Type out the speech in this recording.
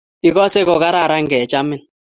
Igose kokararan ngechamin